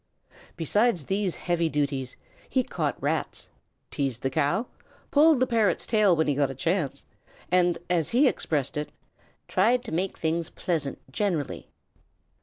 Besides these heavy duties, he caught rats, teased the cow, pulled the parrot's tail whenever he got a chance, and, as he expressed it, "tried to make things pleasant generally."